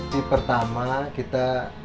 di pertama kita